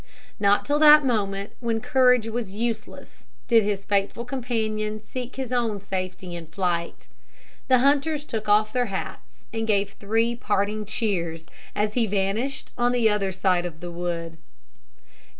Not till that moment, when courage was useless, did his faithful companion seek his own safety in flight. The hunters took off their hats, and gave three parting cheers, as he vanished on the other side of the wood.